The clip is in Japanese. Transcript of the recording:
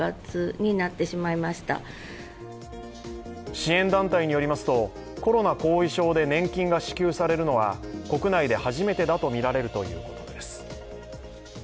支援団体によりますと、コロナ後遺症で年金が支給されるのは国内で初めてだとみられるということです。